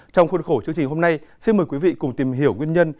trong khuôn khổ chương trình hôm nay xin mời quý vị cùng tìm hiểu nguyên nhân